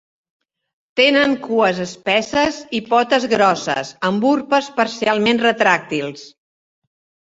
Tenen cues espesses i potes grosses amb urpes parcialment retràctils.